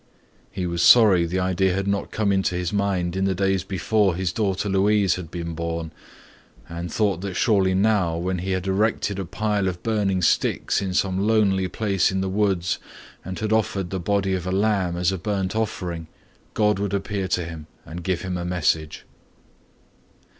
He was sorry the idea had not come into his mind in the days before his daughter Louise had been born and thought that surely now when he had erected a pile of burning sticks in some lonely place in the woods and had offered the body of a lamb as a burnt offering, God would appear to him and give him a message.